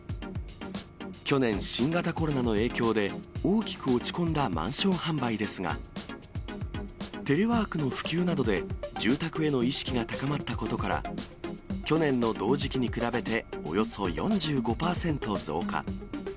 去年、新型コロナの影響で大きく落ち込んだマンション販売ですが、テレワークの普及などで住宅への意識が高まったことから、去年の同時期に比べて、およそ４５％増加。